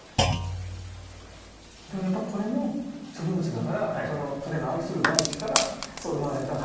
でもやっぱこれも植物だから彼の愛する大地から生まれた。